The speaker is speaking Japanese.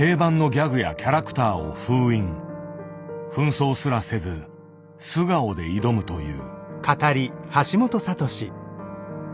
扮装すらせず素顔で挑むという。